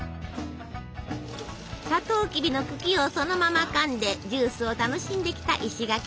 さとうきびの茎をそのままかんでジュースを楽しんできた石垣島。